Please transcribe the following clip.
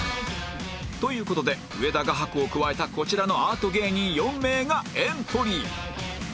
という事で上田画伯を加えたこちらのアート芸人４名がエントリー